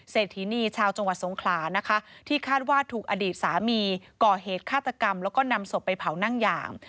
เศรษฐีนีชาวจังหวัดสงขลานะคะที่คาดว่าถูกอดีตสามีก่อเหตุฆาตกรรมแล้วก็นำศพไปเผานั่งอย่าง